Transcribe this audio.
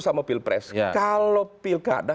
sama pilpres kalau pilkada